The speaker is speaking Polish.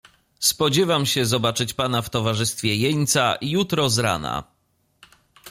"Spodziewam się zobaczyć pana w towarzystwie jeńca, jutro z rana."